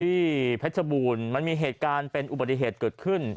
เพชรบูรณ์มันมีเหตุการณ์เป็นอุบัติเหตุเกิดขึ้น